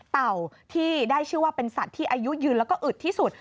เต่าที่ได้ชื่อว่าเป็นสัตว์ที่อายุยืนแล้วก็อึดที่สุด